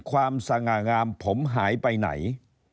ความสง่างามผมหายไปไหน